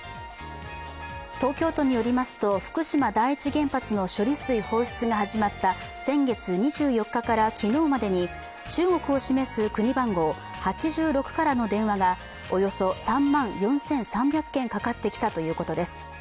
東京都によりますと福島第一原発の処理水放出が始まった先月２４日から昨日までに中国を示す国番号８６からの電話がおよそ３万４３００件かかってきたということです。